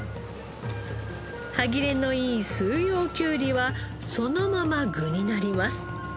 歯切れのいい四葉きゅうりはそのまま具になります。